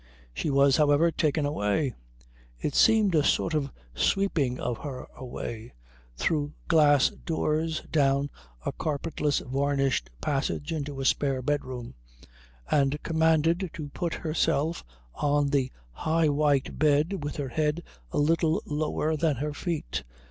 She was, however, taken away it seemed a sort of sweeping of her away through glass doors, down a carpetless varnished passage into a spare bedroom, and commanded to put herself on the high white bed with her head a little lower than her feet.